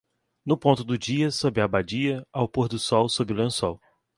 No ponto do dia sob a abadia, ao pôr do sol sob o lençol.